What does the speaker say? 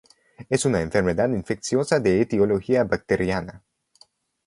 Es una enfermedad infecciosa de etiología bacteriana.